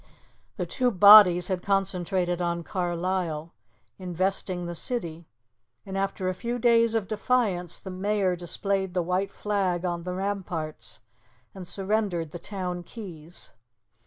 The two bodies had concentrated on Carlisle, investing the city, and after a few days of defiance, the mayor displayed the white flag on the ramparts and surrendered the town keys.